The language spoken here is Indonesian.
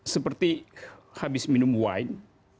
seperti habis minum wine